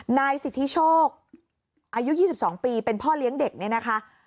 นายสิทธิโชคอายุ๒๒ปีเป็นพ่อเลี้ยงเด็กเนี่ยนะคะ